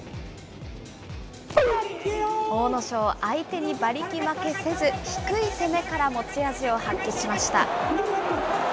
阿武咲、相手に馬力負けせず、低い攻めから持ち味を発揮しました。